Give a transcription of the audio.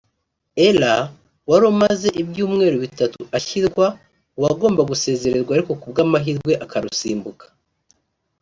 Ellah wari umaze ibyumweru bitatu ashyirwa mu bagomba gusezererwa ariko ku bw’amahirwe akarusimbuka